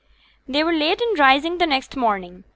They were late in rising the next morning.